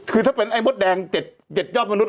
คือถ้าเป็นไอ้มดแดง๗ยอดมนุษ